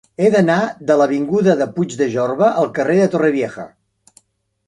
He d'anar de l'avinguda de Puig de Jorba al carrer de Torrevieja.